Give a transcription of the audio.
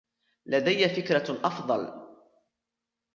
لديَ فكرة أفضل.